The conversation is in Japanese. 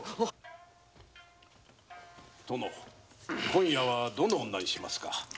今夜はどの女にしますか？